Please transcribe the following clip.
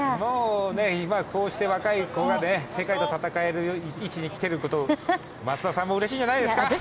今、こうして若い子が世界と戦える位置にきていること、増田さんもうれしいんじゃないですか。